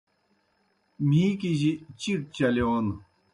مِھیکِجیْ چِیٹ چلِیون